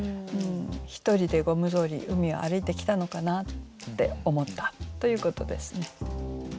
１人でゴム草履海を歩いてきたのかなって思ったということですね。